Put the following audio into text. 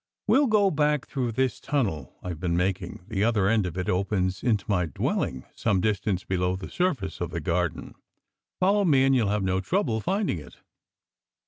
"We'll go back through this tunnel I've been making. The other end of it opens into my dwelling, some distance below the surface of the garden. Follow me and you'll have no trouble finding it."